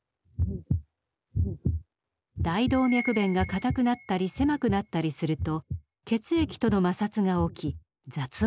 大動脈弁が硬くなったり狭くなったりすると血液との摩擦が起き雑音が聞こえます。